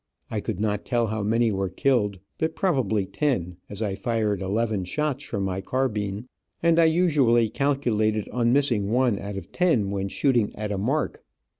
I could not tell how many were killed, but probably ten, as I fired eleven shots from, my carbine, and I usually calculated on missing one out of ten, when shooting at a mark.